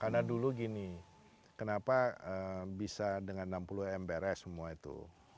karena dulu gini kenapa bisa dengan enam puluh m beres semua itu